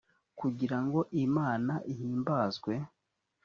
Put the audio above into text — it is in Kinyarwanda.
kugira ngo imana ihimbazwe